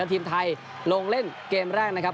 ทีมไทยลงเล่นเกมแรกนะครับ